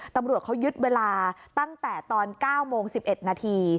ตำรวจเขายึดเวลาตั้งแต่ตอน๙โมง๑๑นาที